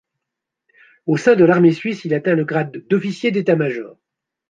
Au sein de l'armée suisse, il atteint le grade d'officier d'état-major.